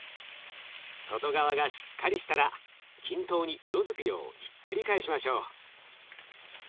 外側がしっかりしたら均等に色づくようひっくり返しましょう。